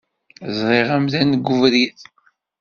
Zṛiɣ amdan deg ubrid.